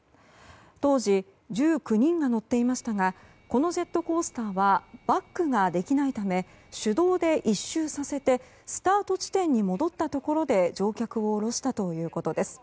当時、１９人が乗っていましたがこのジェットコースターはバックができないため手動で１周させてスタート地点に戻ったところで乗客を降ろしたということです。